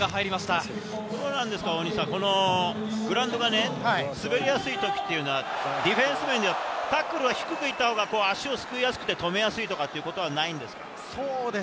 まず５点グラウンドが滑りやすい時はディフェンス面ではタックルは低く行ったほうが足をすくいやすくて止めやすいということはないんですか？